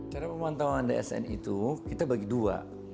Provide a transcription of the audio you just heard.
cara pemantauan dsn itu kita bagi dua